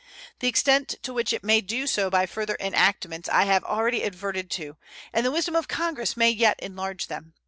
The extent to which it may do so by further enactments I have already adverted to, and the wisdom of Congress may yet enlarge them.